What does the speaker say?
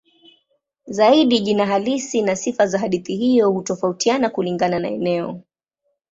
Zaidi jina halisi na sifa za hadithi hiyo hutofautiana kulingana na eneo.